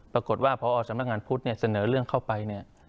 ปรากฏว่าพอสำนักงานพุทธเสนอเรื่องเข้าไป